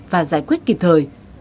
và giải quyết kịp thời